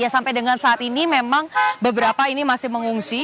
sampai dengan saat ini memang beberapa ini masih mengungsi